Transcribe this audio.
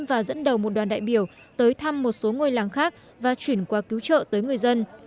và dẫn đầu một đoàn đại biểu tới thăm một số ngôi làng khác và chuyển qua cứu trợ tới người dân